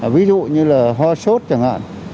ví dụ như là hoa sốt chẳng hạn